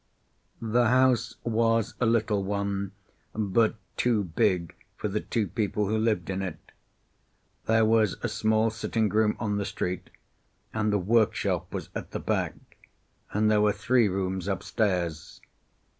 The house was a little one, but too big for the two people who lived in it. There was a small sitting room on the street, and the workshop was at the back, and there were three rooms upstairs.